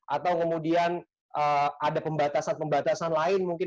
atau kemudian ada pembatasan pembatasan lain mungkin